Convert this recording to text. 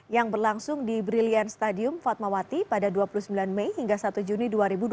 yang berlangsung di brilliant stadium fatmawati pada dua puluh sembilan mei hingga satu juni dua ribu dua puluh